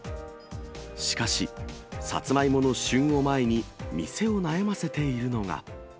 しかし、さつまいもの旬を前に、店を悩ませているのが。